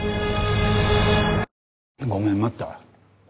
ごめん待った？